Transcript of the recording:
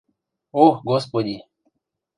– Ох, господи...